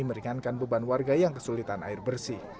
meringankan beban warga yang kesulitan air bersih